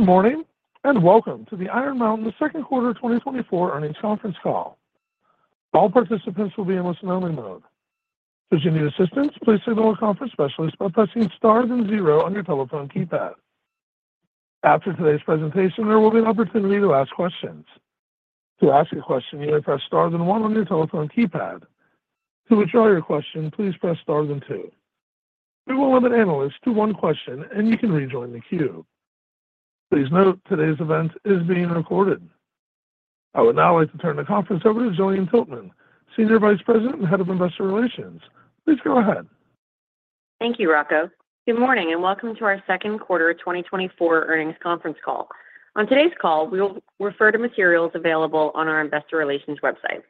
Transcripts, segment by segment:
Good morning and welcome to the Iron Mountain Second Quarter 2024 Earnings Conference Call. All participants will be in listen-only mode. If you need assistance, please signal a conference specialist by pressing star then zero on your telephone keypad. After today's presentation, there will be an opportunity to ask questions. To ask a question, you may press star then one on your telephone keypad. To withdraw your question, please press star then two. We will limit analysts to one question, and you can rejoin the queue. Please note today's event is being recorded. I would now like to turn the conference over to Gillian Tiltman, Senior Vice President and Head of Investor Relations. Please go ahead. Thank you, Rocco. Good morning and welcome to our Second Quarter 2024 Earnings Conference Call. On today's call, we will refer to materials available on our Investor Relations website.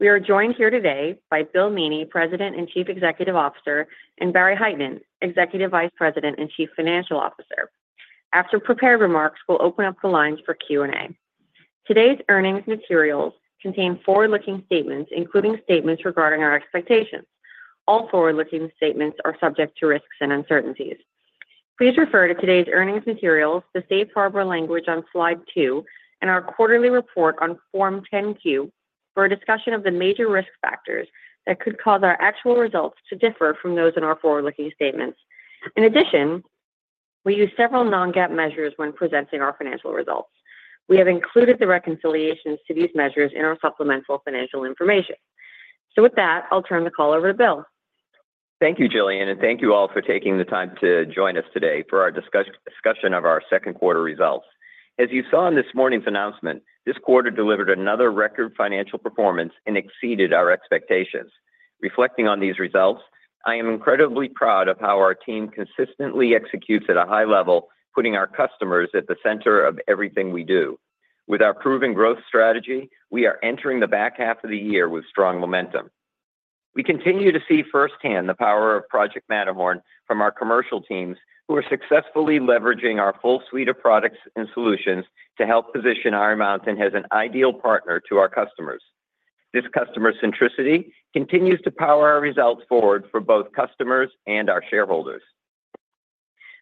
We are joined here today by Bill Meaney, President and Chief Executive Officer, and Barry Hytinen, Executive Vice President and Chief Financial Officer. After prepared remarks, we'll open up the lines for Q&A. Today's earnings materials contain forward-looking statements, including statements regarding our expectations. All forward-looking statements are subject to risks and uncertainties. Please refer to today's earnings materials, the safe harbor language on slide two, and our quarterly report on Form 10-Q for a discussion of the major risk factors that could cause our actual results to differ from those in our forward-looking statements. In addition, we use several non-GAAP measures when presenting our financial results. We have included the reconciliations to these measures in our supplemental financial information. With that, I'll turn the call over to Bill. Thank you, Gillian, and thank you all for taking the time to join us today for our discussion of our second quarter results. As you saw in this morning's announcement, this quarter delivered another record financial performance and exceeded our expectations. Reflecting on these results, I am incredibly proud of how our team consistently executes at a high level, putting our customers at the center of everything we do. With our proven growth strategy, we are entering the back half of the year with strong momentum. We continue to see firsthand the power of Project Matterhorn from our commercial teams, who are successfully leveraging our full suite of products and solutions to help position Iron Mountain as an ideal partner to our customers. This customer centricity continues to power our results forward for both customers and our shareholders.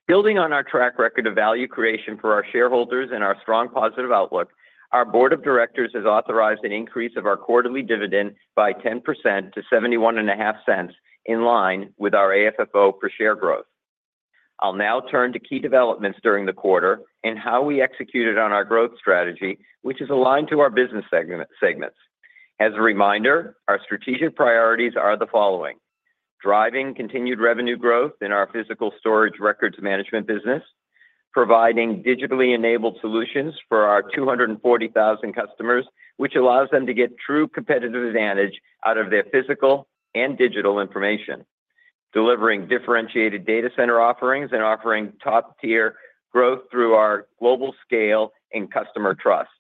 Building on our track record of value creation for our shareholders and our strong positive outlook, our board of directors has authorized an increase of our quarterly dividend by 10% to $0.715, in line with our AFFO per share growth. I'll now turn to key developments during the quarter and how we executed on our growth strategy, which is aligned to our business segments. As a reminder, our strategic priorities are the following: driving continued revenue growth in our physical storage records management business, providing digitally enabled solutions for our 240,000 customers, which allows them to get true competitive advantage out of their physical and digital information, delivering differentiated data center offerings and offering top-tier growth through our global scale and customer trust,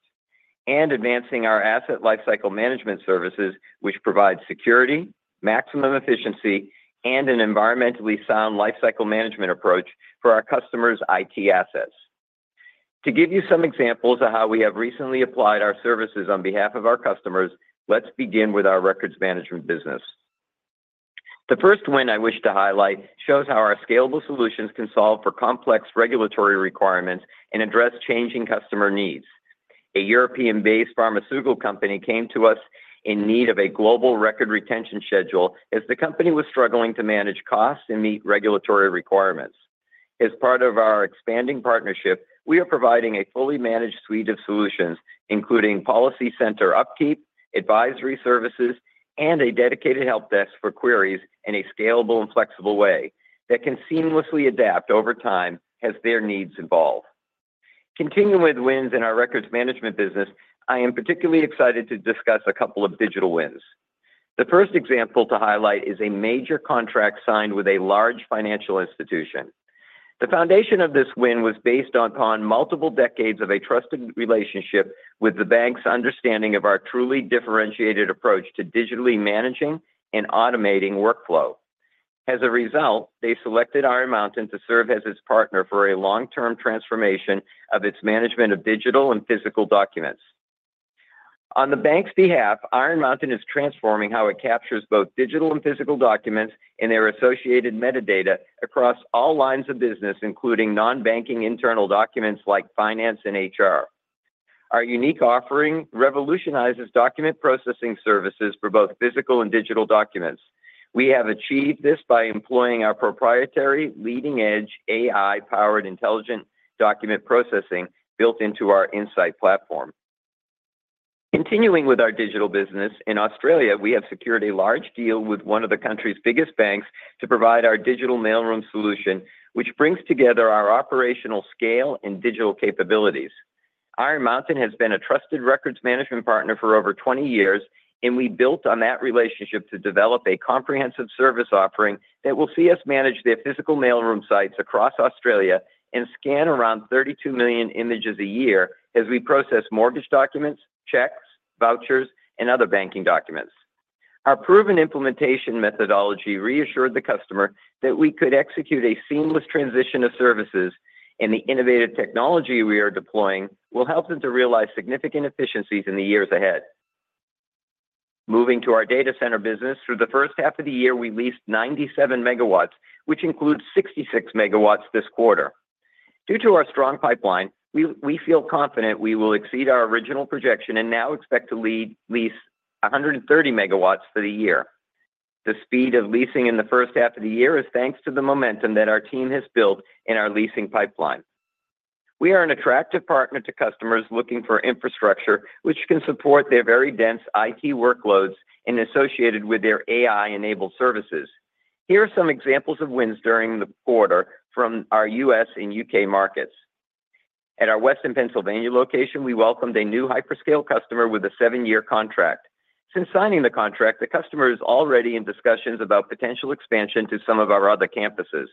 and advancing our Asset Lifecycle Management services, which provide security, maximum efficiency, and an environmentally sound lifecycle management approach for our customers' IT assets. To give you some examples of how we have recently applied our services on behalf of our customers, let's begin with our records management business. The first one I wish to highlight shows how our scalable solutions can solve for complex regulatory requirements and address changing customer needs. A European-based pharmaceutical company came to us in need of a global record retention schedule as the company was struggling to manage costs and meet regulatory requirements. As part of our expanding partnership, we are providing a fully managed suite of solutions, including Policy Center upkeep, advisory services, and a dedicated help desk for queries in a scalable and flexible way that can seamlessly adapt over time as their needs evolve. Continuing with wins in our records management business, I am particularly excited to discuss a couple of digital wins. The first example to highlight is a major contract signed with a large financial institution. The foundation of this win was based upon multiple decades of a trusted relationship with the bank's understanding of our truly differentiated approach to digitally managing and automating workflow. As a result, they selected Iron Mountain to serve as its partner for a long-term transformation of its management of digital and physical documents. On the bank's behalf, Iron Mountain is transforming how it captures both digital and physical documents and their associated metadata across all lines of business, including non-banking internal documents like finance and HR. Our unique offering revolutionizes document processing services for both physical and digital documents. We have achieved this by employing our proprietary leading-edge AI-powered intelligent document processing built into our InSight platform. Continuing with our digital business, in Australia, we have secured a large deal with one of the country's biggest banks to provide our digital mailroom solution, which brings together our operational scale and digital capabilities. Iron Mountain has been a trusted records management partner for over 20 years, and we built on that relationship to develop a comprehensive service offering that will see us manage their physical mailroom sites across Australia and scan around 32 million images a year as we process mortgage documents, checks, vouchers, and other banking documents. Our proven implementation methodology reassured the customer that we could execute a seamless transition of services, and the innovative technology we are deploying will help them to realize significant efficiencies in the years ahead. Moving to our data center business, through the first half of the year, we leased 97 MW, which includes 66 MW this quarter. Due to our strong pipeline, we feel confident we will exceed our original projection and now expect to lease 130 MW for the year. The speed of leasing in the first half of the year is thanks to the momentum that our team has built in our leasing pipeline. We are an attractive partner to customers looking for infrastructure which can support their very dense IT workloads and associated with their AI-enabled services. Here are some examples of wins during the quarter from our U.S. and U.K. markets. At our Western Pennsylvania location, we welcomed a new hyperscaler customer with a seven-year contract. Since signing the contract, the customer is already in discussions about potential expansion to some of our other campuses.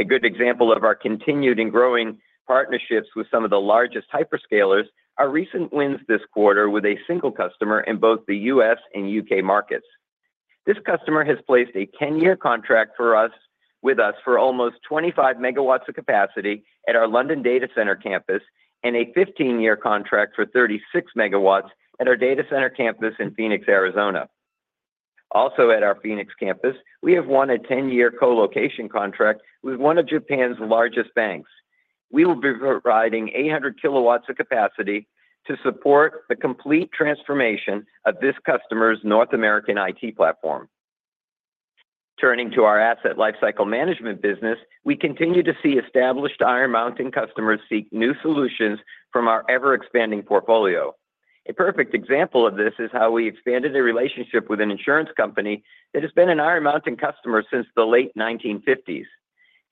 A good example of our continued and growing partnerships with some of the largest hyperscalers are recent wins this quarter with a single customer in both the U.S. and U.K. markets. This customer has placed a 10-year contract with us for almost 25 MW of capacity at our London data center campus and a 15-year contract for 36 MW at our data center campus in Phoenix, Arizona. Also, at our Phoenix campus, we have won a 10-year colocation contract with one of Japan's largest banks. We will be providing 800 kW of capacity to support the complete transformation of this customer's North American IT platform. Turning to our Asset Lifecycle Management business, we continue to see established Iron Mountain customers seek new solutions from our ever-expanding portfolio. A perfect example of this is how we expanded a relationship with an insurance company that has been an Iron Mountain customer since the late 1950s.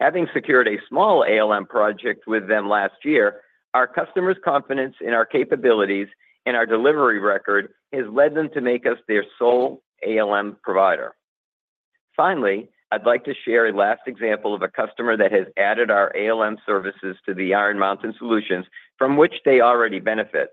Having secured a small ALM project with them last year, our customer's confidence in our capabilities and our delivery record has led them to make us their sole ALM provider. Finally, I'd like to share a last example of a customer that has added our ALM services to the Iron Mountain solutions, from which they already benefit.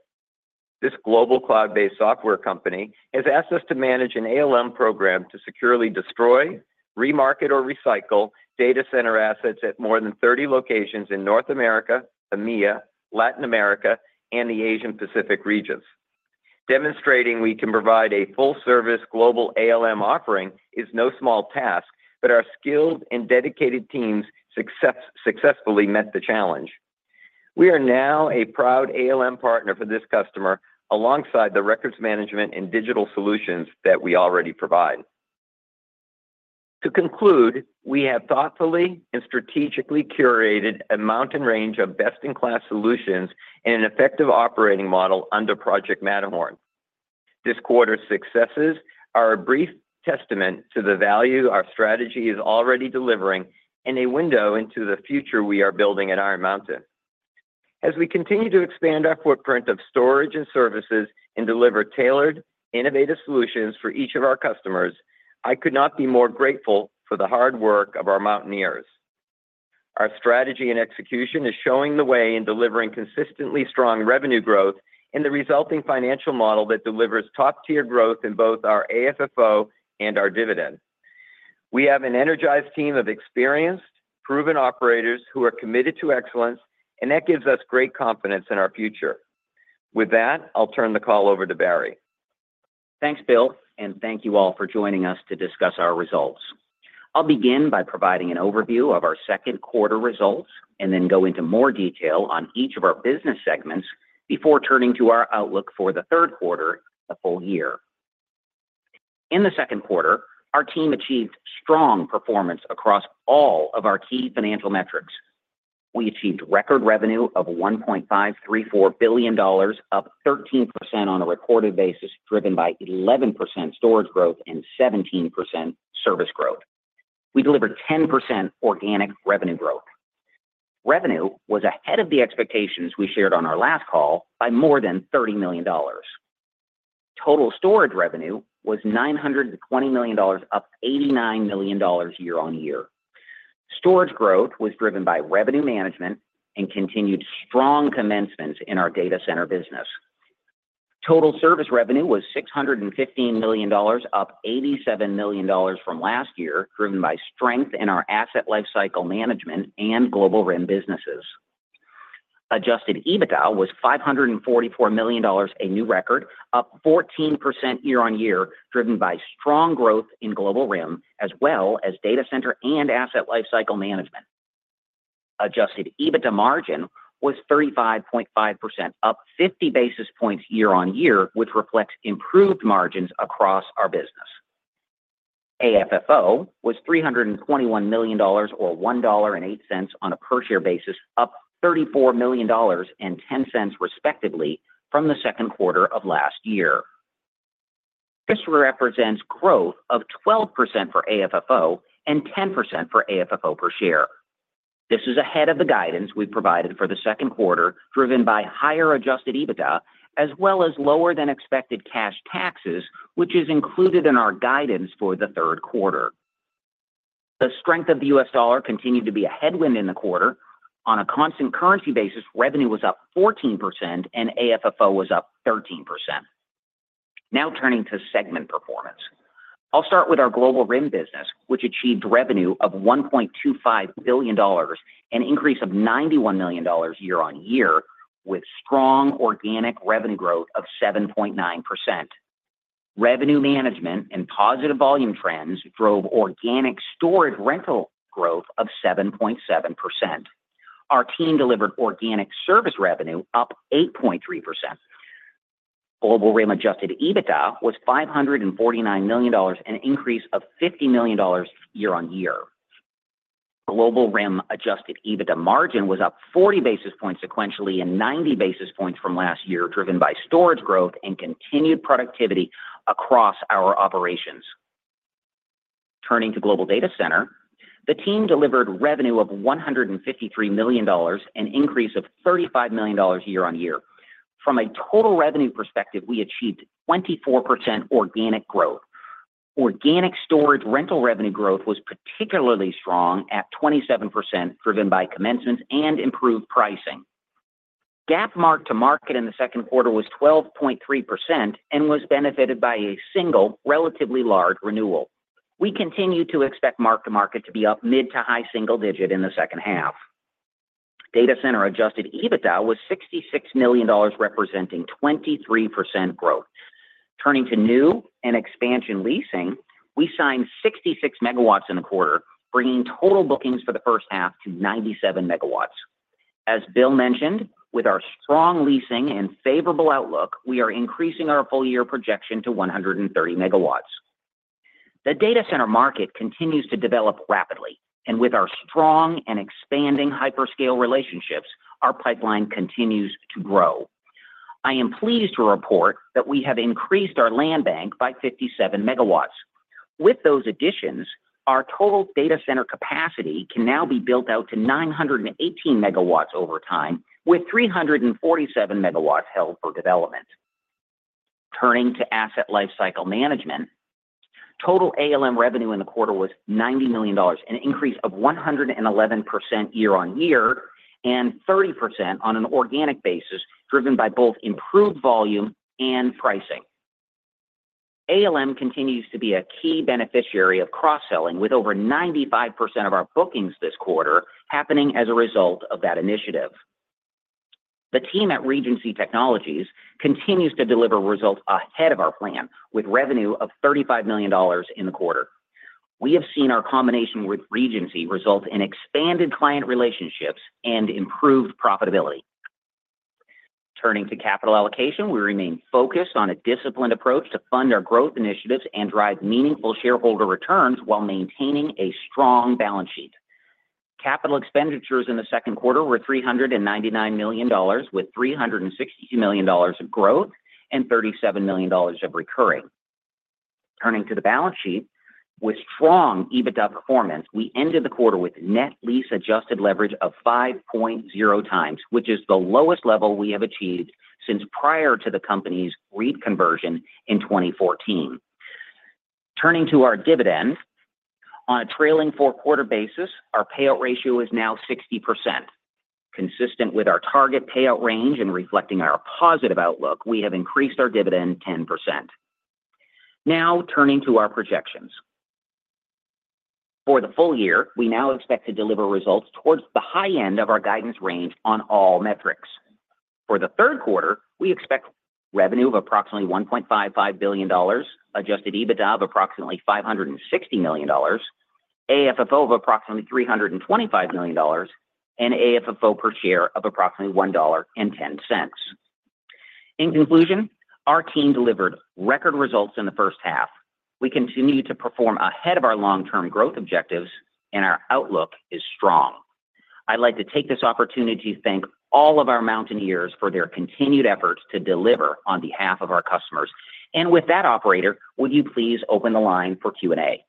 This global cloud-based software company has asked us to manage an ALM program to securely destroy, remarket, or recycle data center assets at more than 30 locations in North America, EMEA, Latin America, and the Asia Pacific regions. Demonstrating we can provide a full-service global ALM offering is no small task, but our skilled and dedicated teams successfully met the challenge. We are now a proud ALM partner for this customer alongside the records management and digital solutions that we already provide. To conclude, we have thoughtfully and strategically curated a mountain range of best-in-class solutions and an effective operating model under Project Matterhorn. This quarter's successes are a brief testament to the value our strategy is already delivering and a window into the future we are building at Iron Mountain. As we continue to expand our footprint of storage and services and deliver tailored, innovative solutions for each of our customers, I could not be more grateful for the hard work of our Mountaineers. Our strategy and execution are showing the way in delivering consistently strong revenue growth and the resulting financial model that delivers top-tier growth in both our AFFO and our dividend. We have an energized team of experienced, proven operators who are committed to excellence, and that gives us great confidence in our future. With that, I'll turn the call over to Barry. Thanks, Bill, and thank you all for joining us to discuss our results. I'll begin by providing an overview of our second quarter results and then go into more detail on each of our business segments before turning to our outlook for the third quarter of the full year. In the second quarter, our team achieved strong performance across all of our key financial metrics. We achieved record revenue of $1.534 billion, up 13% on a recorded basis, driven by 11% storage growth and 17% service growth. We delivered 10% organic revenue growth. Revenue was ahead of the expectations we shared on our last call by more than $30 million. Total storage revenue was $920 million, up $89 million year-over-year. Storage growth was driven by revenue management and continued strong commencements in our data center business. Total service revenue was $615 million, up $87 million from last year, driven by strength in our Asset Lifecycle Management and Global RIM businesses. Adjusted EBITDA was $544 million, a new record, up 14% year-over-year, driven by strong growth in Global RIM, as well as data center and Asset Lifecycle Management. Adjusted EBITDA margin was 35.5%, up 50 basis points year-over-year, which reflects improved margins across our business. AFFO was $321 million, or $1.08 on a per-share basis, up $34 million and 10 cents, respectively, from the second quarter of last year. This represents growth of 12% for AFFO and 10% for AFFO per share. This is ahead of the guidance we provided for the second quarter, driven by higher Adjusted EBITDA, as well as lower-than-expected cash taxes, which is included in our guidance for the third quarter. The strength of the US dollar continued to be a headwind in the quarter. On a constant currency basis, revenue was up 14% and AFFO was up 13%. Now turning to segment performance. I'll start with our Global RIM business, which achieved revenue of $1.25 billion, an increase of $91 million year-on-year, with strong organic revenue growth of 7.9%. Records management and positive volume trends drove organic storage rental growth of 7.7%. Our team delivered organic service revenue, up 8.3%. Global RIM Adjusted EBITDA was $549 million, an increase of $50 million year-on-year. Global RIM Adjusted EBITDA margin was up 40 basis points sequentially and 90 basis points from last year, driven by storage growth and continued productivity across our operations. Turning to Global Data Center, the team delivered revenue of $153 million, an increase of $35 million year-on-year. From a total revenue perspective, we achieved 24% organic growth. Organic storage rental revenue growth was particularly strong at 27%, driven by commencements and improved pricing. GAAP mark-to-market in the second quarter was 12.3% and was benefited by a single, relatively large renewal. We continue to expect mark-to-market to be up mid- to high-single-digit in the second half. Data Center Adjusted EBITDA was $66 million, representing 23% growth. Turning to new and expansion leasing, we signed 66 MW in the quarter, bringing total bookings for the first half to 97 MW. As Bill mentioned, with our strong leasing and favorable outlook, we are increasing our full-year projection to 130 MW. The data center market continues to develop rapidly, and with our strong and expanding hyperscale relationships, our pipeline continues to grow. I am pleased to report that we have increased our land bank by 57 MW. With those additions, our total data center capacity can now be built out to 918 MW over time, with 347 MW held for development. Turning to Asset Lifecycle Management, total ALM revenue in the quarter was $90 million, an increase of 111% year-over-year and 30% on an organic basis, driven by both improved volume and pricing. ALM continues to be a key beneficiary of cross-selling, with over 95% of our bookings this quarter happening as a result of that initiative. The team at Regency Technologies continues to deliver results ahead of our plan, with revenue of $35 million in the quarter. We have seen our combination with Regency result in expanded client relationships and improved profitability. Turning to capital allocation, we remain focused on a disciplined approach to fund our growth initiatives and drive meaningful shareholder returns while maintaining a strong balance sheet. Capital expenditures in the second quarter were $399 million, with $362 million of growth and $37 million of recurring. Turning to the balance sheet, with strong EBITDA performance, we ended the quarter with net lease adjusted leverage of 5.0 times, which is the lowest level we have achieved since prior to the company's REIT conversion in 2014. Turning to our dividend, on a trailing four-quarter basis, our payout ratio is now 60%. Consistent with our target payout range and reflecting our positive outlook, we have increased our dividend 10%. Now turning to our projections. For the full year, we now expect to deliver results towards the high end of our guidance range on all metrics. For the third quarter, we expect revenue of approximately $1.55 billion, Adjusted EBITDA of approximately $560 million, AFFO of approximately $325 million, and AFFO per share of approximately $1.10. In conclusion, our team delivered record results in the first half. We continue to perform ahead of our long-term growth objectives, and our outlook is strong. I'd like to take this opportunity to thank all of our Mountaineers for their continued efforts to deliver on behalf of our customers. And with that, operator, would you please open the line for Q&A?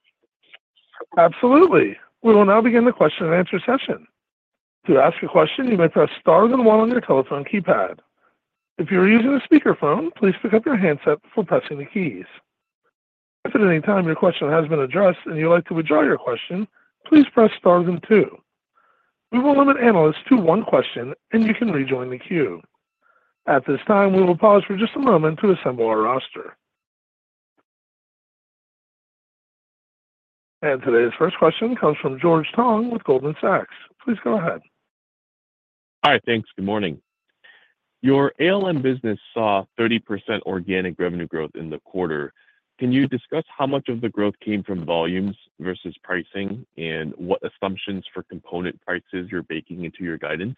Absolutely. We will now begin the question and answer session. To ask a question, you may press star and one on your telephone keypad. If you are using a speakerphone, please pick up your handset before pressing the keys. If at any time your question has been addressed and you'd like to withdraw your question, please press star and two. We will limit analysts to one question, and you can rejoin the queue. At this time, we will pause for just a moment to assemble our roster. Today's first question comes from George Tong with Goldman Sachs. Please go ahead. Hi, thanks. Good morning. Your ALM business saw 30% organic revenue growth in the quarter. Can you discuss how much of the growth came from volumes versus pricing and what assumptions for component prices you're baking into your guidance?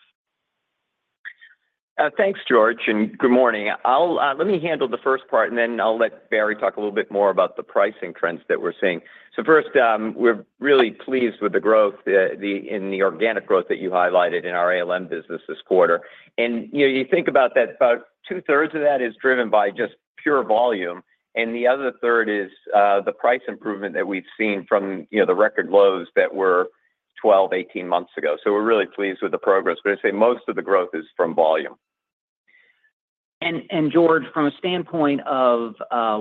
Thanks, George, and good morning. Let me handle the first part, and then I'll let Barry talk a little bit more about the pricing trends that we're seeing. So first, we're really pleased with the growth in the organic growth that you highlighted in our ALM business this quarter. And you think about that, about two-thirds of that is driven by just pure volume, and the other third is the price improvement that we've seen from the record lows that were 12, 18 months ago. So we're really pleased with the progress. But I'd say most of the growth is from volume. George, from a standpoint of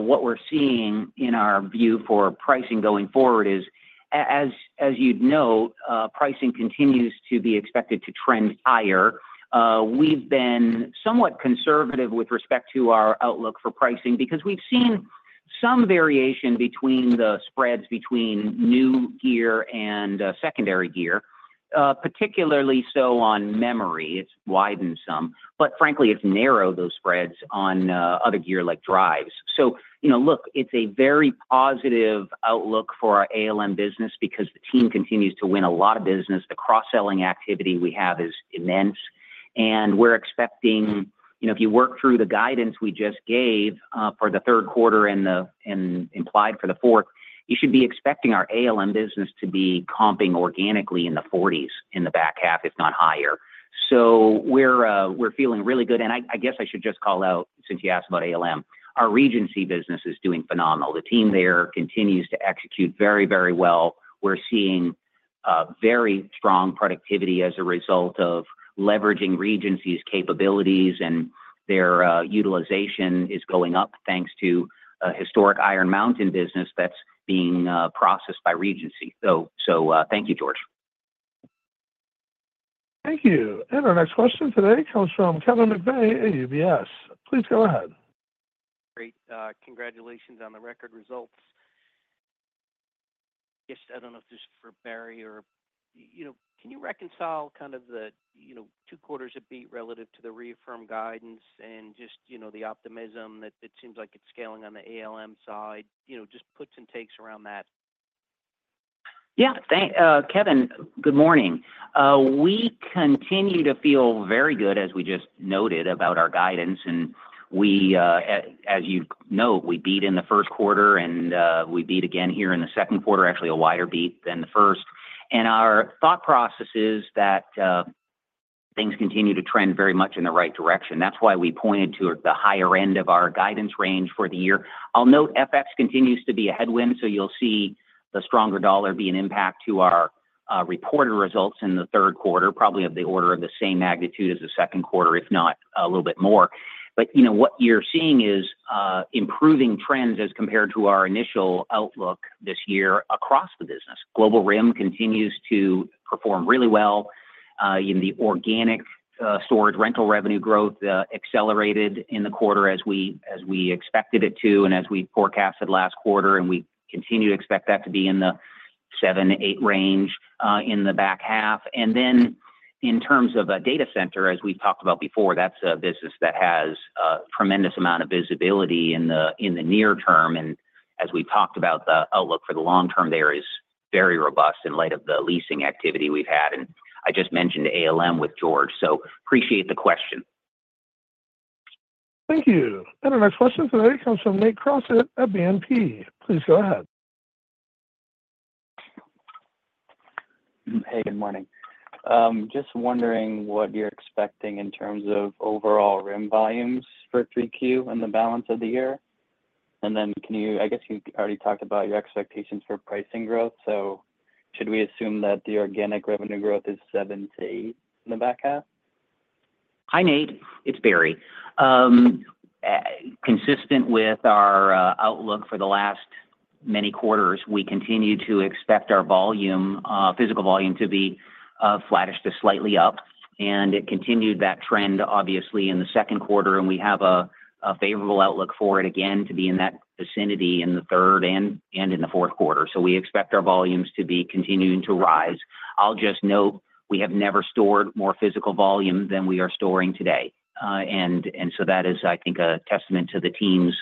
what we're seeing in our view for pricing going forward is, as you'd note, pricing continues to be expected to trend higher. We've been somewhat conservative with respect to our outlook for pricing because we've seen some variation between the spreads between new gear and secondary gear, particularly so on memory. It's widened some, but frankly, it's narrowed those spreads on other gear like drives. So look, it's a very positive outlook for our ALM business because the team continues to win a lot of business. The cross-selling activity we have is immense, and we're expecting if you work through the guidance we just gave for the third quarter and implied for the fourth, you should be expecting our ALM business to be comping organically in the 40s in the back half, if not higher. So we're feeling really good. I guess I should just call out, since you asked about ALM, our Regency business is doing phenomenal. The team there continues to execute very, very well. We're seeing very strong productivity as a result of leveraging Regency's capabilities, and their utilization is going up thanks to a historic Iron Mountain business that's being processed by Regency. Thank you, George. Thank you. Our next question today comes from Kevin McVeigh, UBS. Please go ahead. Great. Congratulations on the record results. I don't know if this is for Barry or can you reconcile kind of the two quarters a beat relative to the reaffirm guidance and just the optimism that it seems like it's scaling on the ALM side, just puts and takes around that? Yeah. Kevin, good morning. We continue to feel very good, as we just noted, about our guidance. And as you know, we beat in the first quarter, and we beat again here in the second quarter, actually a wider beat than the first. And our thought process is that things continue to trend very much in the right direction. That's why we pointed to the higher end of our guidance range for the year. I'll note FX continues to be a headwind, so you'll see the stronger dollar be an impact to our reported results in the third quarter, probably of the order of the same magnitude as the second quarter, if not a little bit more. But what you're seeing is improving trends as compared to our initial outlook this year across the business. Global RIM continues to perform really well. The organic storage rental revenue growth accelerated in the quarter as we expected it to and as we forecasted last quarter, and we continue to expect that to be in the seven to eight range in the back half. Then in terms of a data center, as we've talked about before, that's a business that has a tremendous amount of visibility in the near term. And as we've talked about, the outlook for the long term there is very robust in light of the leasing activity we've had. I just mentioned ALM with George, so appreciate the question. Thank you. Our next question today comes from Nate Crossett, BNP. Please go ahead. Hey, good morning. Just wondering what you're expecting in terms of overall RIM volumes for 3Q and the balance of the year? Then I guess you already talked about your expectations for pricing growth, so should we assume that the organic revenue growth is seven to eight in the back half? Hi, Nate. It's Barry. Consistent with our outlook for the last many quarters, we continue to expect our physical volume to be flattish to slightly up. It continued that trend, obviously, in the second quarter, and we have a favorable outlook for it again to be in that vicinity in the third and in the fourth quarter. We expect our volumes to be continuing to rise. I'll just note we have never stored more physical volume than we are storing today. That is, I think, a testament to the team's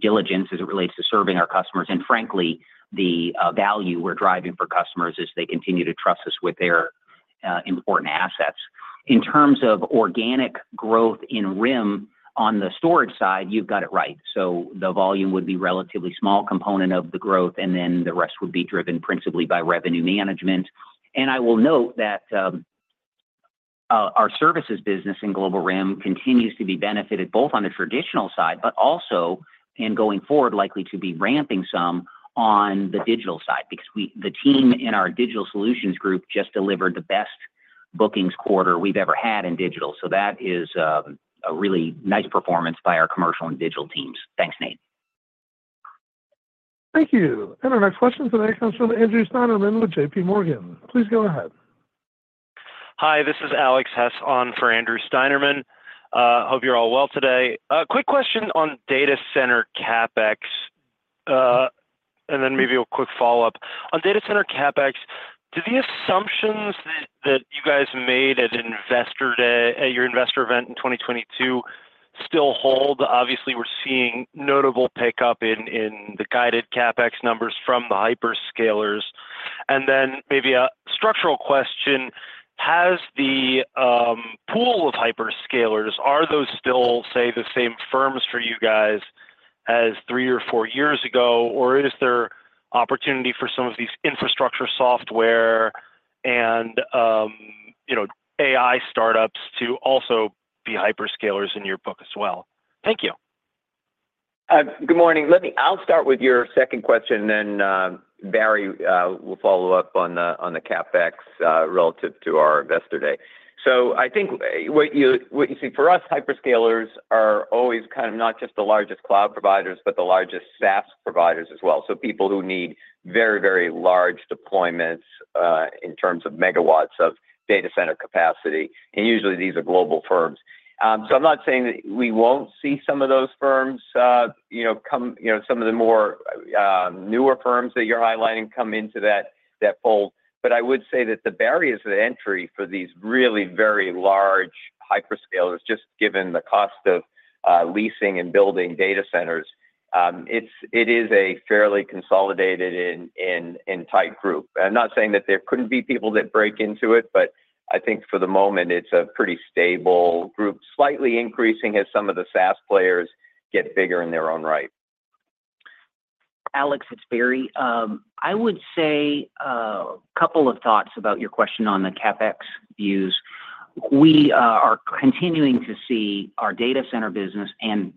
diligence as it relates to serving our customers. Frankly, the value we're driving for customers is they continue to trust us with their important assets. In terms of organic growth in RIM on the storage side, you've got it right. The volume would be a relatively small component of the growth, and then the rest would be driven principally by revenue management. I will note that our services business in Global RIM continues to be benefited both on the traditional side, but also in going forward, likely to be ramping some on the digital side because the team in our digital solutions group just delivered the best bookings quarter we've ever had in digital. That is a really nice performance by our commercial and digital teams. Thanks, Nate. Thank you. Our next question today comes from Andrew Steinerman with J.P. Morgan. Please go ahead. Hi, this is Alex Hess on for Andrew Steinerman. Hope you're all well today. Quick question on data center CapEx, and then maybe a quick follow-up. On data center CapEx, do the assumptions that you guys made at your investor event in 2022 still hold? Obviously, we're seeing notable pickup in the guided CapEx numbers from the hyperscalers. And then maybe a structural question: has the pool of hyperscalers, are those still, say, the same firms for you guys as three or four years ago, or is there opportunity for some of these infrastructure software and AI startups to also be hyperscalers in your book as well? Thank you. Good morning. I'll start with your second question, and then Barry will follow up on the CapEx relative to our investor day. So I think what you see for us, hyperscalers are always kind of not just the largest cloud providers, but the largest SaaS providers as well. So people who need very, very large deployments in terms of MW of data center capacity. And usually, these are global firms. So I'm not saying that we won't see some of those firms come, some of the more newer firms that you're highlighting come into that fold. But I would say that the barriers to entry for these really very large hyperscalers, just given the cost of leasing and building data centers, it is a fairly consolidated and tight group. I'm not saying that there couldn't be people that break into it, but I think for the moment, it's a pretty stable group, slightly increasing as some of the SaaS players get bigger in their own right. Alex, it's Barry. I would say a couple of thoughts about your question on the CapEx views. We are continuing to see our data center business, and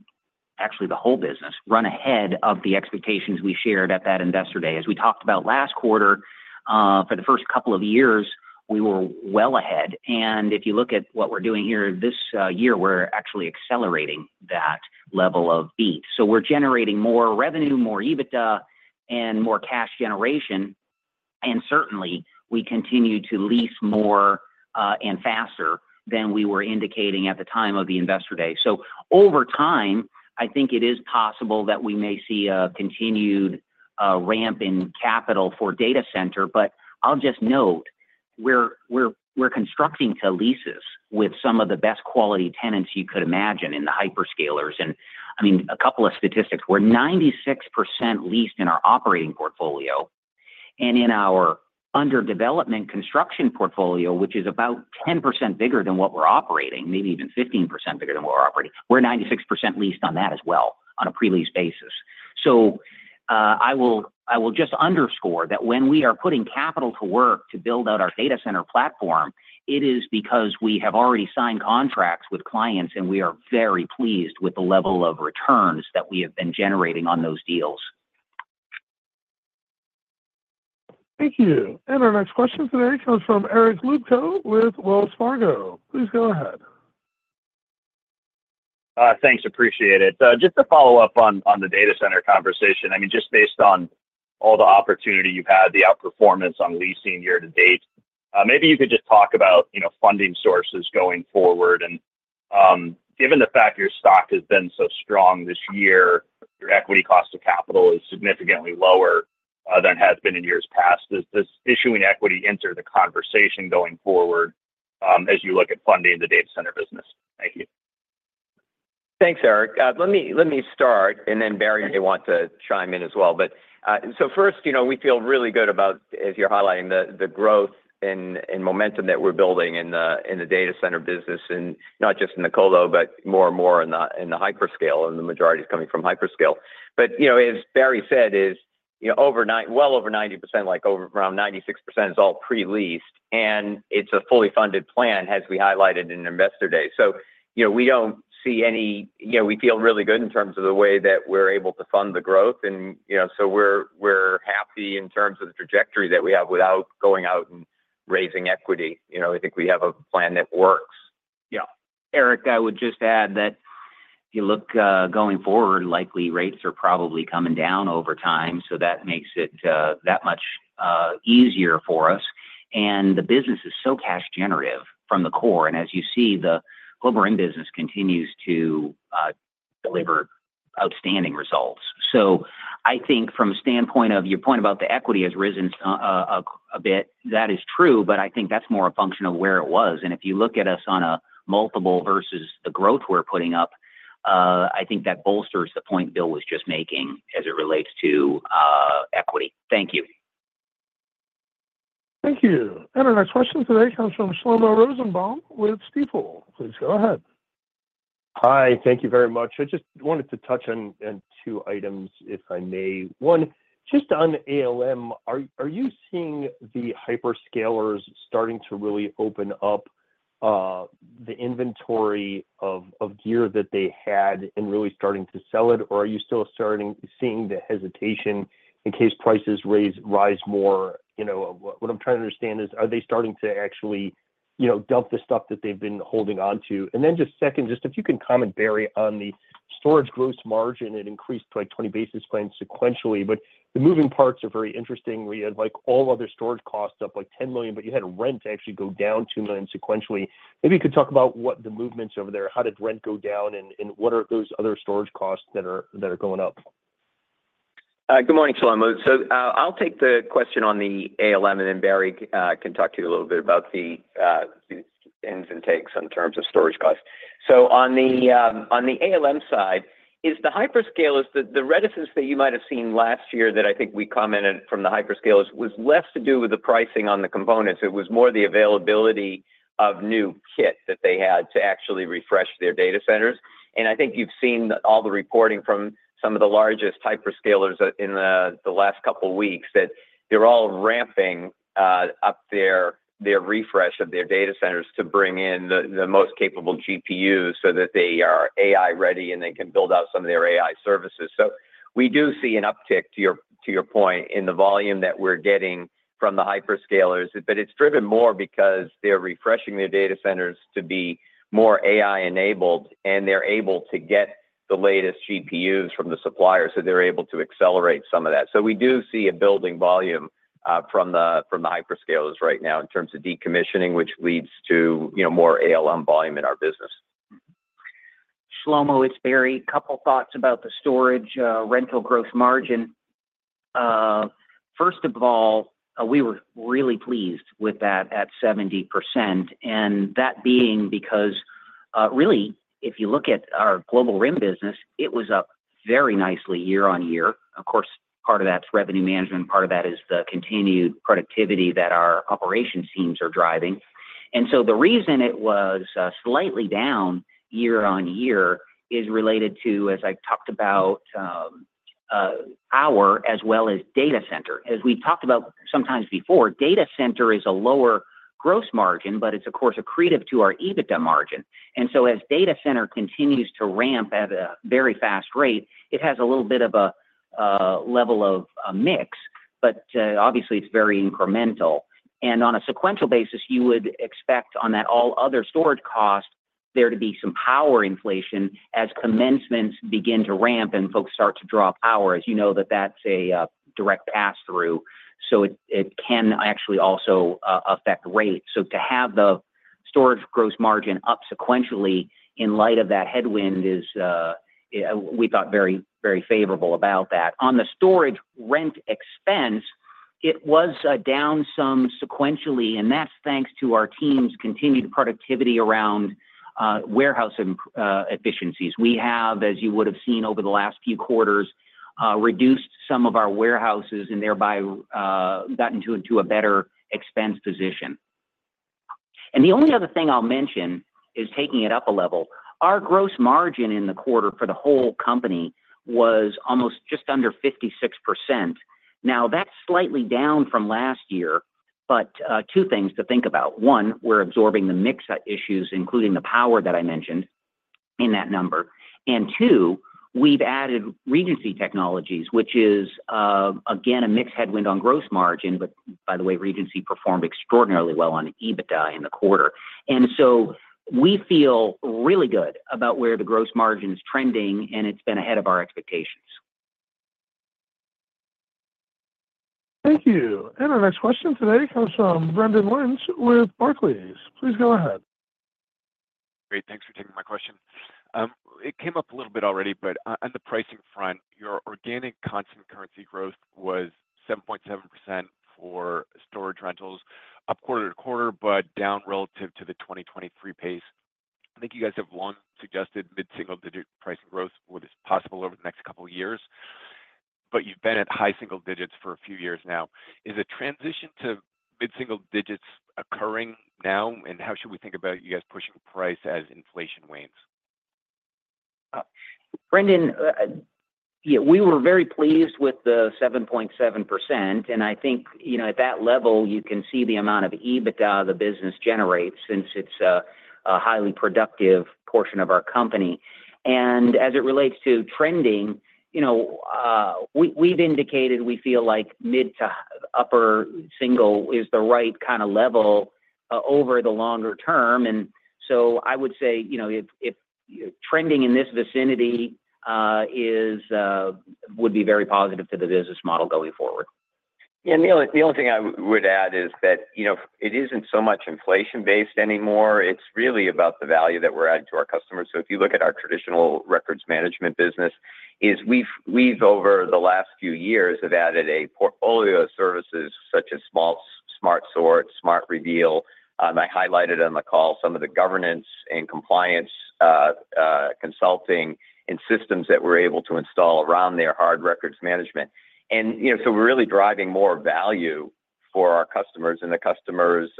actually the whole business, run ahead of the expectations we shared at that investor day. As we talked about last quarter, for the first couple of years, we were well ahead. If you look at what we're doing here this year, we're actually accelerating that level of beat. We're generating more revenue, more EBITDA, and more cash generation. Certainly, we continue to lease more and faster than we were indicating at the time of the investor day. Over time, I think it is possible that we may see a continued ramp in capital for data center. But I'll just note we're constructing to leases with some of the best quality tenants you could imagine in the hyperscalers. I mean, a couple of statistics. We're 96% leased in our operating portfolio. In our underdevelopment construction portfolio, which is about 10% bigger than what we're operating, maybe even 15% bigger than what we're operating, we're 96% leased on that as well on a pre-lease basis. I will just underscore that when we are putting capital to work to build out our data center platform, it is because we have already signed contracts with clients, and we are very pleased with the level of returns that we have been generating on those deals. Thank you. Our next question today comes from Eric Luebchow with Wells Fargo. Please go ahead. Thanks. Appreciate it. Just to follow up on the data center conversation, I mean, just based on all the opportunity you've had, the outperformance on leasing year to date, maybe you could just talk about funding sources going forward. And given the fact your stock has been so strong this year, your equity cost of capital is significantly lower than it has been in years past. Does issuing equity enter the conversation going forward as you look at funding the data center business? Thank you. Thanks, Eric. Let me start, and then Barry may want to chime in as well. But so first, we feel really good about, as you're highlighting, the growth and momentum that we're building in the data center business, and not just in the colo, but more and more in the hyperscale, and the majority is coming from hyperscale. But as Barry said, well over 90%, like around 96%, is all pre-leased, and it's a fully funded plan, as we highlighted in investor day. So we don't see any we feel really good in terms of the way that we're able to fund the growth. And so we're happy in terms of the trajectory that we have without going out and raising equity. I think we have a plan that works. Yeah. Eric, I would just add that you look going forward, likely rates are probably coming down over time, so that makes it that much easier for us. And the business is so cash generative from the core. And as you see, the global RIM business continues to deliver outstanding results. So I think from the standpoint of your point about the equity has risen a bit, that is true, but I think that's more a function of where it was. And if you look at us on a multiple versus the growth we're putting up, I think that bolsters the point Bill was just making as it relates to equity. Thank you. Thank you. Our next question today comes from Shlomo Rosenbaum with Stifel. Please go ahead. Hi. Thank you very much. I just wanted to touch on two items, if I may. One, just on ALM, are you seeing the hyperscalers starting to really open up the inventory of gear that they had and really starting to sell it, or are you still seeing the hesitation in case prices rise more? What I'm trying to understand is, are they starting to actually dump the stuff that they've been holding onto? And then just second, just if you can comment, Barry, on the storage gross margin, it increased by 20 basis points sequentially. But the moving parts are very interesting. We had all other storage costs up like $10 million, but you had rent actually go down $2 million sequentially. Maybe you could talk about what the movements over there, how did rent go down, and what are those other storage costs that are going up? Good morning, Shlomo. So I'll take the question on the ALM, and then Barry can talk to you a little bit about the ins and outs in terms of storage costs. So on the ALM side, it's the hyperscalers' reticence that you might have seen last year that I think we commented from the hyperscalers was less to do with the pricing on the components. It was more the availability of new kit that they had to actually refresh their data centers. And I think you've seen all the reporting from some of the largest hyperscalers in the last couple of weeks that they're all ramping up their refresh of their data centers to bring in the most capable GPUs so that they are AI ready and they can build out some of their AI services. So we do see an uptick, to your point, in the volume that we're getting from the hyperscalers, but it's driven more because they're refreshing their data centers to be more AI enabled, and they're able to get the latest GPUs from the suppliers so they're able to accelerate some of that. So we do see a building volume from the hyperscalers right now in terms of decommissioning, which leads to more ALM volume in our business. Shlomo, it's Barry. A couple of thoughts about the storage rental gross margin. First of all, we were really pleased with that at 70%. And that being because really, if you look at our global RIM business, it was up very nicely year-over-year. Of course, part of that's revenue management. Part of that is the continued productivity that our operations teams are driving. And so the reason it was slightly down year-over-year is related to, as I talked about, our as well as data center. As we talked about sometimes before, data center is a lower gross margin, but it's, of course, accretive to our EBITDA margin. And so as data center continues to ramp at a very fast rate, it has a little bit of a level of mix, but obviously, it's very incremental. On a sequential basis, you would expect, on that all other storage cost, there to be some power inflation as commencements begin to ramp and folks start to draw power, as you know, that that's a direct pass-through. So it can actually also affect rates. So to have the storage gross margin up sequentially in light of that headwind is, we thought, very favorable about that. On the storage rent expense, it was down some sequentially, and that's thanks to our team's continued productivity around warehouse efficiencies. We have, as you would have seen over the last few quarters, reduced some of our warehouses and thereby gotten into a better expense position. The only other thing I'll mention is taking it up a level. Our gross margin in the quarter for the whole company was almost just under 56%. Now, that's slightly down from last year, but two things to think about. One, we're absorbing the mixed issues, including the power that I mentioned in that number. And two, we've added Regency Technologies, which is, again, a mixed headwind on gross margin, but by the way, Regency performed extraordinarily well on EBITDA in the quarter. And so we feel really good about where the gross margin is trending, and it's been ahead of our expectations. Thank you. Our next question today comes from Brendan Lynch with Barclays. Please go ahead. Great. Thanks for taking my question. It came up a little bit already, but on the pricing front, your organic constant currency growth was 7.7% for storage rentals, up quarter-to-quarter, but down relative to the 2023 pace. I think you guys have long suggested mid-single digit pricing growth, which is possible over the next couple of years, but you've been at high single digits for a few years now. Is a transition to mid-single digits occurring now, and how should we think about you guys pushing price as inflation wanes? Brendan, we were very pleased with the 7.7%, and I think at that level, you can see the amount of EBITDA the business generates since it's a highly productive portion of our company. As it relates to trending, we've indicated we feel like mid to upper single is the right kind of level over the longer term. So I would say if trending in this vicinity would be very positive to the business model going forward. Yeah. The only thing I would add is that it isn't so much inflation-based anymore. It's really about the value that we're adding to our customers. So if you look at our traditional records management business, we've, over the last few years, added a portfolio of services such as Smart Sort, Smart Reveal. I highlighted on the call some of the governance and compliance consulting and systems that we're able to install around their hard records management. And so we're really driving more value for our customers and the customers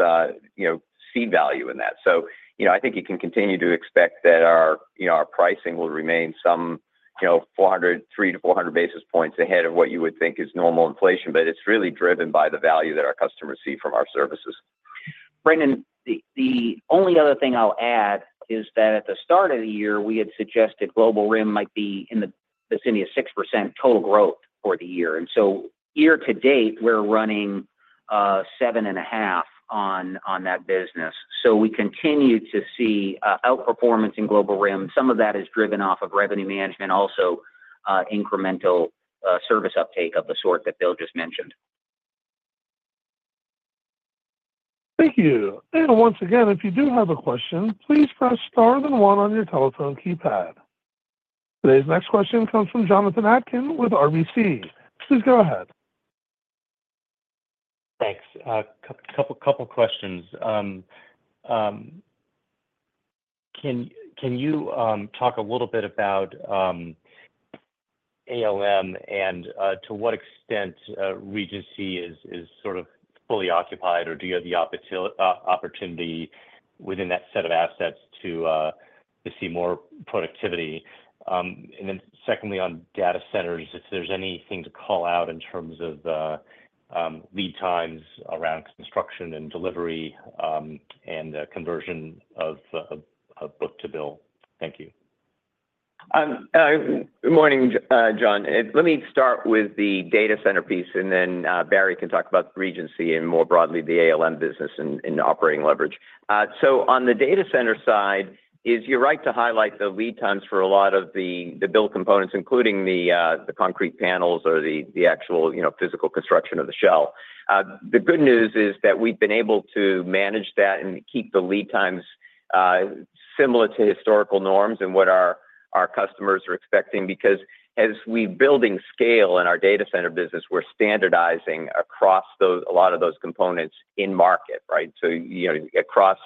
see value in that. So I think you can continue to expect that our pricing will remain some 300-400 basis points ahead of what you would think is normal inflation, but it's really driven by the value that our customers see from our services. Brendan, the only other thing I'll add is that at the start of the year, we had suggested Global RIM might be in the vicinity of 6% total growth for the year. And so year to date, we're running 7.5% on that business. So we continue to see outperformance in Global RIM. Some of that is driven off of revenue management, also incremental service uptake of the sort that Bill just mentioned. Thank you. Once again, if you do have a question, please press star then one on your telephone keypad. Today's next question comes from Jonathan Atkin with RBC. Please go ahead. Thanks. A couple of questions. Can you talk a little bit about ALM and to what extent Regency is sort of fully occupied, or do you have the opportunity within that set of assets to see more productivity? And then secondly, on data centers, if there's anything to call out in terms of lead times around construction and delivery and conversion of book to bill? Thank you. Good morning, John. Let me start with the data center piece, and then Barry can talk about Regency and more broadly the ALM business and operating leverage. So on the data center side, it's your right to highlight the lead times for a lot of the build components, including the concrete panels or the actual physical construction of the shell. The good news is that we've been able to manage that and keep the lead times similar to historical norms and what our customers are expecting because as we're building scale in our data center business, we're standardizing across a lot of those components in market, right? So across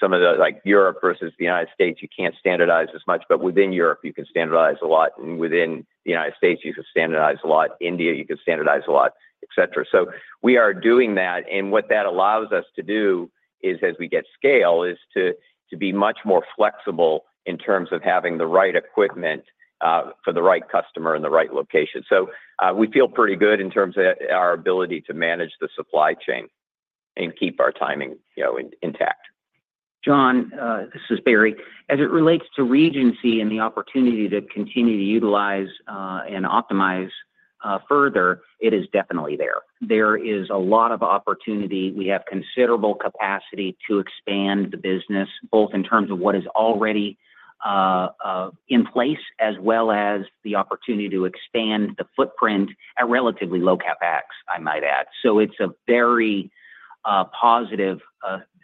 some of the like Europe versus the United States, you can't standardize as much, but within Europe, you can standardize a lot. And within the United States, you can standardize a lot. India, you can standardize a lot, etc. So we are doing that. And what that allows us to do is, as we get scale, is to be much more flexible in terms of having the right equipment for the right customer in the right location. So we feel pretty good in terms of our ability to manage the supply chain and keep our timing intact. John, this is Barry. As it relates to Regency and the opportunity to continue to utilize and optimize further, it is definitely there. There is a lot of opportunity. We have considerable capacity to expand the business, both in terms of what is already in place as well as the opportunity to expand the footprint at relatively low CapEx, I might add. So it's a very positive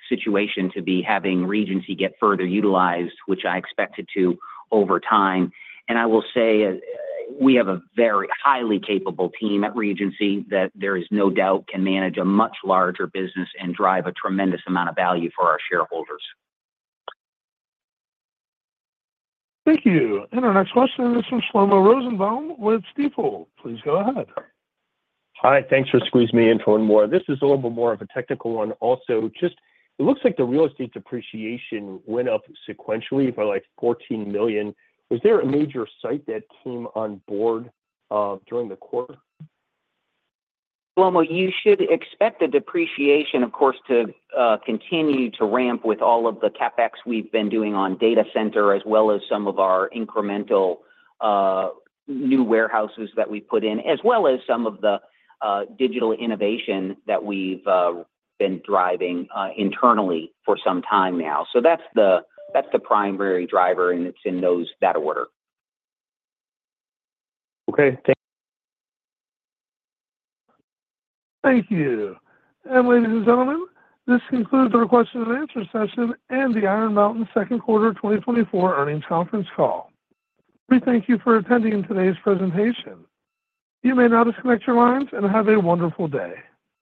situation to be having Regency get further utilized, which I expected to over time. I will say we have a very highly capable team at Regency that there is no doubt can manage a much larger business and drive a tremendous amount of value for our shareholders. Thank you. Our next question is from Shlomo Rosenbaum with Stifel. Please go ahead. Hi. Thanks for squeezing me in for one more. This is a little bit more of a technical one also. Just it looks like the real estate depreciation went up sequentially by like $14 million. Was there a major site that came on board during the quarter? Shlomo, you should expect the depreciation, of course, to continue to ramp with all of the CapEx we've been doing on data center as well as some of our incremental new warehouses that we've put in, as well as some of the digital innovation that we've been driving internally for some time now. So that's the primary driver, and it's in that order. Okay. Thank you. Ladies and gentlemen, this concludes our question and answer session and the Iron Mountain Second Quarter 2024 Earnings Conference Call. We thank you for attending today's presentation. You may now disconnect your lines and have a wonderful day.